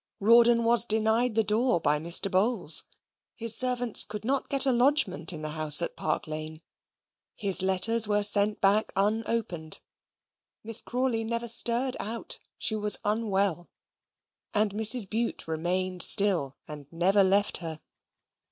Rawdon was denied the door by Mr. Bowls; his servants could not get a lodgment in the house at Park Lane; his letters were sent back unopened. Miss Crawley never stirred out she was unwell and Mrs. Bute remained still and never left her.